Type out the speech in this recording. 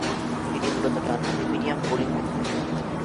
তিনি মূলতঃ ডানহাতি মিডিয়াম বোলিং করতেন।